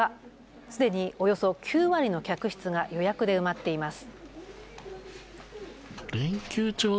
すでにおよそ９割の客室が予約で埋まっています。